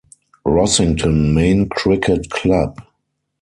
Rossington Main Cricket Club.